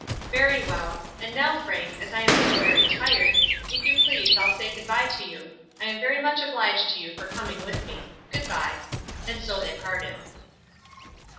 "Very well. And now, Frank, as I am so very tired, if you please I'll say good bye to you. I am very much obliged to you for coming with me. Good bye." And so they parted.